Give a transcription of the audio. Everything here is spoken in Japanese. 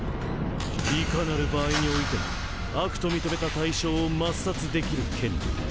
いかなる場合においても悪と認めた対象を抹殺できる権利。